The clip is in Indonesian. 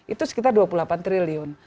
itu sekitar dua puluh delapan triliun